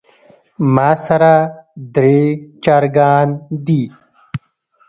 ماسره درې چرګان دي